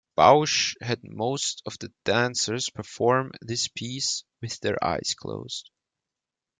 Bausch had most of the dancers perform this piece with their eyes closed.